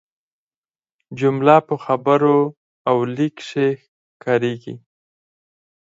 جمله په خبرو او لیک کښي کاریږي.